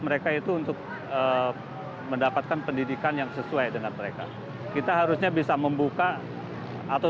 mereka itu untuk mendapatkan pendidikan yang sesuai dengan mereka kita harusnya bisa membuka atau